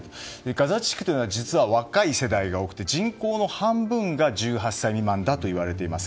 ガザ地区というのは実は、若い世代が多くて人口の半分が１８歳未満だといわれています。